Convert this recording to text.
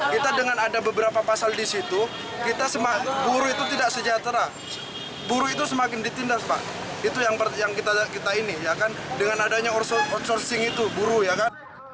kita dengan ada beberapa pasal di situ kita buru itu tidak sejahtera buru itu semakin ditindas pak itu yang kita ini ya kan dengan adanya outsourcing itu buruh ya kan